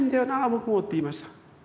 僕も」と言いました。